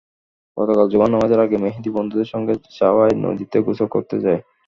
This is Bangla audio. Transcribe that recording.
গতকাল জুমার নামাজের আগে মেহেদী বন্ধুদের সঙ্গে চাওয়াই নদীতে গোসল করতে যায়।